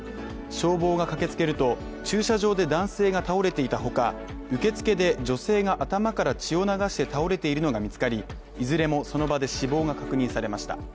消防が駆けつけると、駐車場で男性が倒れていた他、受付で女性が頭から血を流して倒れているのが見つかり、いずれもその場で死亡が確認されました。